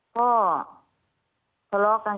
พ่อทะเลาะกัน